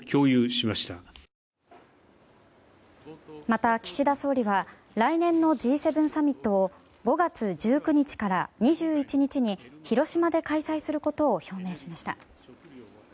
また、岸田総理は来年のＧ７サミットを５月１９日から２１日に広島で開催することを表明しました。